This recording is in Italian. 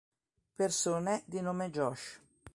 Persone di nome Josh